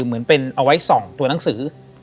เหมือนเป็นเอาไว้ส่องตัวหนังสือ